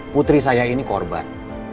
putri saya ini korban